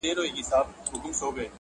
د دروازې له ښورېدو سره سړه سي خونه!